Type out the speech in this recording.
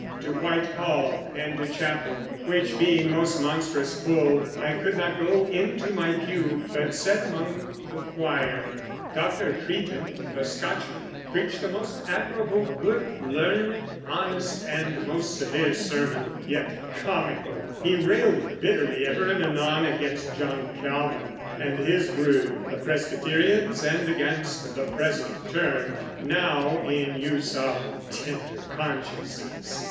To White Hall and to Chappell, which being most monstrous full, I could not go into my pew, but sat among the quire. Dr. Creeton, the Scotchman, preached a most admirable, good, learned, honest, and most severe sermon, yet comicall.... He railed bitterly ever and anon against John Calvin and his brood, the Presbyterians, and against the present terme, now in use, of "tender consciences."